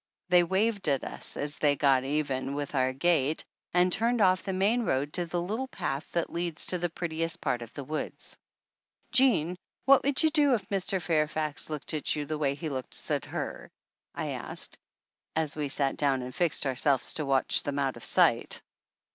They waved at us as they got even with our gate and turned off the main road to the little path that leads to the prettiest part of the woods. "Jean, what would you do if Mr. Fairfax looked at you the way he looks at her?" I asked, as we sat down and fixed ourselves to watch them out of sight.